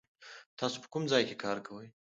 تاسو په کوم ځای کې کار کوئ؟